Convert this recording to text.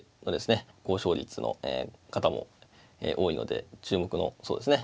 高勝率の方も多いので注目のそうですね